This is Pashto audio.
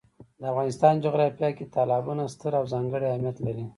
د افغانستان جغرافیه کې تالابونه ستر او ځانګړی اهمیت لري.